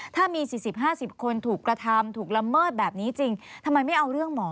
ถ้ามี๔๐๕๐คนถูกกระทำถูกละเมิดแบบนี้จริงทำไมไม่เอาเรื่องหมอ